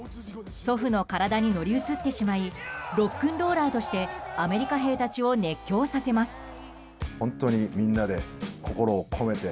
祖父の体に乗り移ってしまいロックンローラーとしてアメリカ兵たちを熱狂させます。